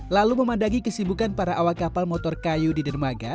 lalu memandangi kesibukan para awak kapal motor kayu di dermaga